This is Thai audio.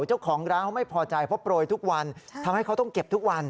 เจ้าของร้านเขาไม่พอใจเพราะโปรยทุกวันทำให้เขาต้องเก็บทุกวัน